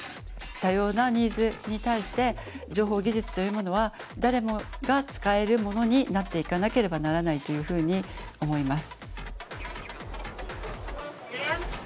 多様なニーズに対して情報技術というものは誰もが使えるものになっていかなければならないというふうに思います。